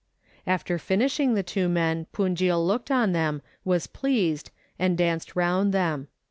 After finishing the two men, Punjil looked on them, was pleased, and danced round them.